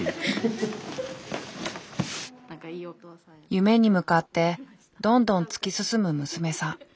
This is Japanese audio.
夢に向かってどんどん突き進む娘さん。